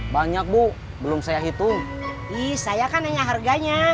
banyak bu belum saya hitung